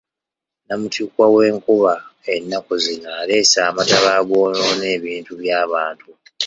Namuttikwa w'enkuba ennaku zino aleese amataba agoonoona ebintu by'abantu.